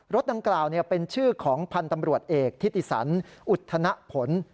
ดังกล่าวเป็นชื่อของพันธ์ตำรวจเอกทิติสันอุทธนผล